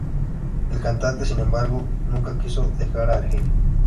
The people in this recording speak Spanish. El cantante, sin embargo, nunca quiso dejar Argelia.